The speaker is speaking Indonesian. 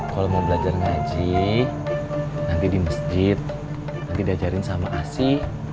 kalau mau belajar ngaji nanti di masjid nanti diajarin sama asi